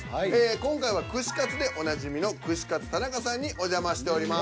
今回は串カツでおなじみの「串カツ田中」さんにお邪魔しております。